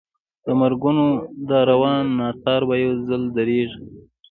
د مرګونو دا روان ناتار به یو ځل درېږي.